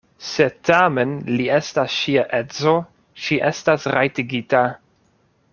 Se tamen li estas ŝia edzo, ŝi estas rajtigita.